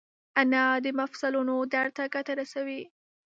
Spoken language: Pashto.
انار د مفصلونو درد ته ګټه رسوي.